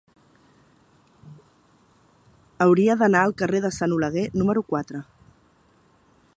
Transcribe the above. Hauria d'anar al carrer de Sant Oleguer número quatre.